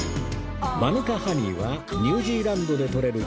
マヌカハニーはニュージーランドで採れる